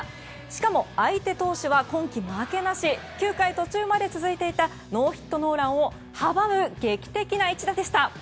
しかも相手投手は今季負けなし９回途中まで続いていたノーヒットノーランを阻む劇的な一打でした。